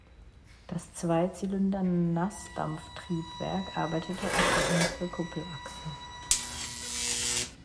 Das Zweizylinder-Naßdampftriebwerk arbeitete auf die hintere Kuppelachse.